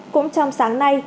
cũng trong sáng nay